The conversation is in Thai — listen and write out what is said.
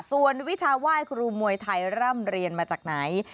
ส่วนวิชาไหว้ครูมวยไทยร่ำเรียนมาจากไหน